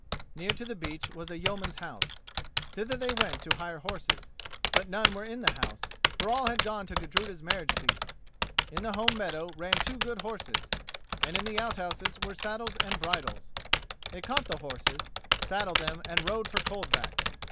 Near to the beach was a yeoman's house. Thither they went to hire horses; but none were in the house, for all had gone to Gudruda's marriage feast. In the home meadow ran two good horses, and in the outhouses were saddles and bridles. They caught the horses, saddled them and rode for Coldback.